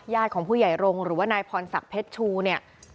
ของผู้ใหญ่รงค์หรือว่านายพรศักดิ์เพชรชูเนี่ย